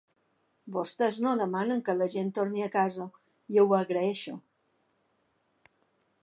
Vostès no demanen que la gent torni a casa, i ho agraeixo.